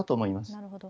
なるほど。